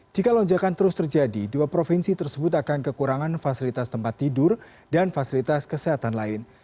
jika lonjakan terus terjadi dua provinsi tersebut akan kekurangan fasilitas tempat tidur dan fasilitas kesehatan lain